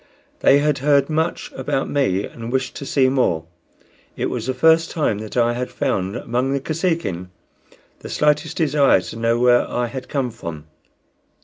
They had heard much about me and wished to see more. It was the first time that I had found among the Kosekin the slightest desire to know where I had come from.